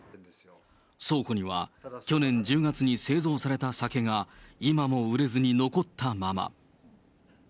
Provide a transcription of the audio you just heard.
倉庫には去年１０月に製造された酒が、今も売れずに残ったまま。